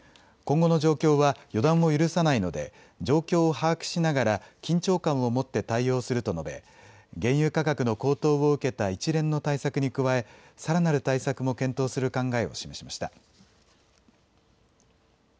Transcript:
今後の状況は予断を許さないので状況を把握しながら緊張感を持って対応すると述べ原油価格の高騰を受けた一連の対策に加え、さらなる対策も検討する考えを示しました。